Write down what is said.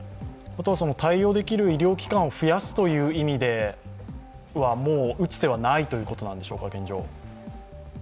あとは対応できる医療機関を増やすという意味では、もう打つ手はないということなんでしょうか、現状。